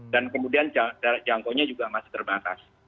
dan kemudian jangkauannya juga masih terbatas